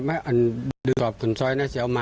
แม่พึ่งจะเอาดอกมะลิมากราบเท้า